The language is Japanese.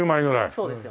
そうですよね。